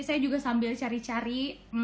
saya juga sambil cari cari